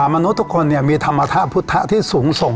มนุษย์ทุกคนมีธรรมธาตุพุทธที่สูงส่ง